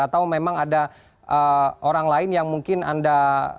atau memang ada orang lain yang mungkin anda